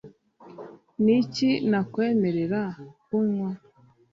niki nakwemerera kunywa